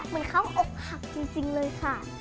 มันเข้าออกหักจริงเลยค่ะ